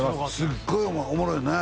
すっごいおもろいよね